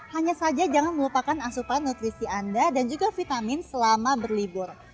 hanya saja jangan melupakan asupan nutrisi anda dan juga vitamin selama berlibur